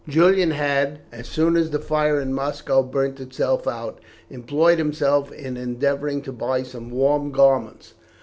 Julian had, as soon as the fire in Moscow burnt itself out, employed himself in endeavouring to buy some warm garments.